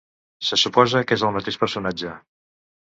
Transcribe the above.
Se suposa que és el mateix personatge.